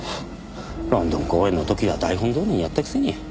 ロンドン公演の時は台本通りにやったくせに。